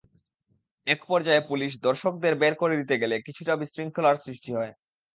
একপর্যায়ে পুলিশ দর্শকদের বের করে দিতে গেলে কিছুটা বিশৃঙ্খলার সৃষ্টি হয়।